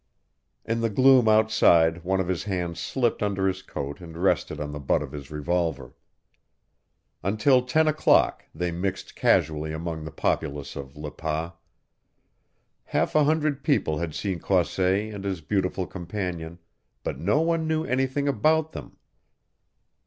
In the gloom outside one of his hands slipped under his coat and rested on the butt of his revolver. Until ten o'clock they mixed casually among the populace of Le Pas. Half a hundred people had seen Croisset and his beautiful companion, but no one knew anything about them.